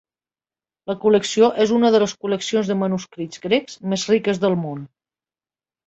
La col·lecció és una de les col·leccions de manuscrits grecs més riques del món.